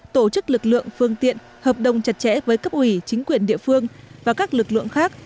tổ chức lực lượng phương tiện hợp đồng chặt chẽ với cấp ủy chính quyền địa phương và các lực lượng khác